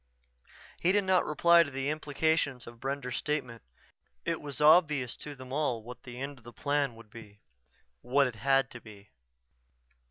He did not reply to the implications of Brender's statement. It was obvious to them all what the end of the Plan would be. What it had to be.